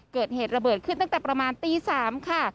เกิดเหตุระเบิดขึ้นตั้งแต่ประมาณตี๓ค่ะ